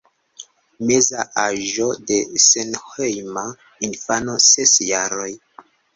Meza aĝo de senhejma infano: ses jaroj.